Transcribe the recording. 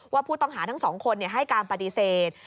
ว่าผู้ต้องหาทั้งสองคนให้การปฏิเสธ